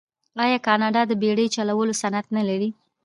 آیا کاناډا د بیړۍ چلولو صنعت نلري؟